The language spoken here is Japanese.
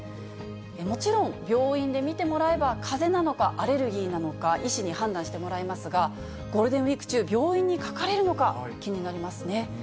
もちろん、病院で診てもらえばかぜなのか、アレルギーなのか、医師に判断してもらえますが、ゴールデンウィーク中、病院にかかれるのか、気になりますね。